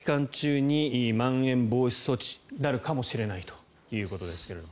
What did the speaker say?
オリンピック期間中にまん延防止措置になるかもしれないということですが。